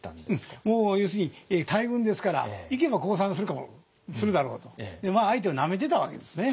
もう要するに大軍ですから行けば降参するだろうとまあ相手をなめてたわけですね。